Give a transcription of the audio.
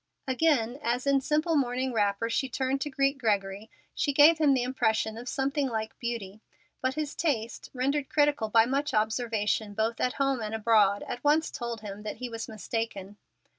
Again, as in simple morning wrapper she turned to greet Gregory, she gave him the impression of something like beauty. But his taste, rendered critical by much observation both at home and abroad, at once told him that he was mistaken.